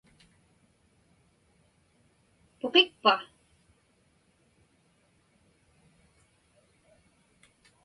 Puqikpa?